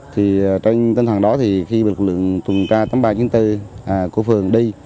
thì trên tên thằng đó thì khi lực lượng tùn tra tấm ba bốn của phường đi